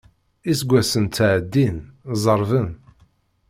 Iseggasen ttɛeddin, zerrben.